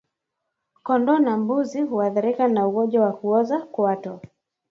Kondoo na mbuzi huathirika na ugonjwa wa kuoza kwato